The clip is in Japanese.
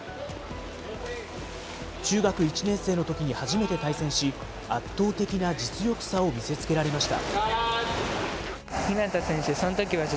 中学１年生のときに初めて対戦し、圧倒的な実力差を見せつけられました。